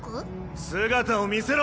姿を見せろ！